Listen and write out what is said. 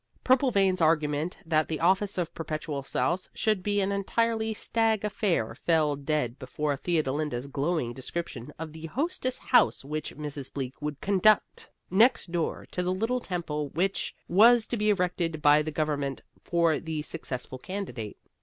Purplevein's argument that the office of Perpetual Souse should be an entirely stag affair fell dead before Theodolinda's glowing description of the Hostess House which Mrs. Bleak would conduct next door to the little temple which was to be erected by the government for the successful candidate.